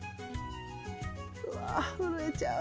うわ震えちゃう。